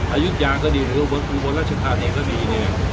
อายุตรยางก็ดีหรือบุคคุมบรรชาชน์ก็ดีเนี่ย